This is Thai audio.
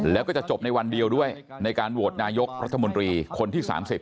แล้วก็จะจบในวันเดียวด้วยในการโหวตนายกรัฐมนตรีคนที่๓๐